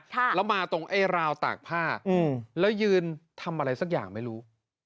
แล้วมาตรงไอ้ราวตากผ้าอืมแล้วยืนทำอะไรสักอย่างไม่รู้